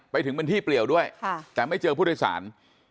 ไปถึงเป็นที่เปลี่ยวด้วยแต่ไม่เจอผู้โดยสาร